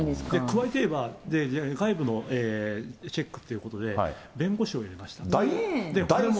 加えていえば、外部のチェックということで、弁護士を入れましたね。